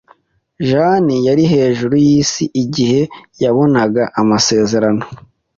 Jane yari hejuru yisi igihe yabonaga amasezerano.